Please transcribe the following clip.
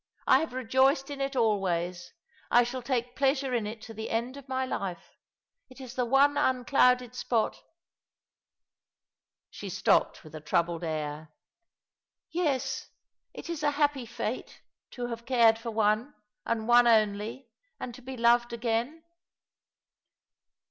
I have rejoiced in it always; I shall take pleasure in it to the end of my life. It is the one unclouded spot " She stopped with a troubled air. "Yes, it is a happy fate — to have cared for one, and one only, and to be loved again.